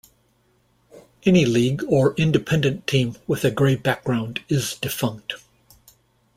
Any league or independent team with a grey background is defunct.